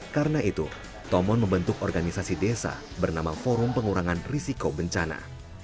karena itu tomon membentuk organisasi desa bernama forum pengurangan risiko bencana